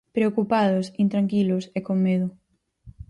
Preocupados, intranquilos e con medo.